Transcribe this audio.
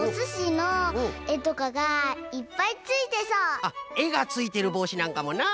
あっえがついてるぼうしなんかもなあ。